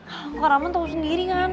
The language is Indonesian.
kakak rahman tau sendiri kan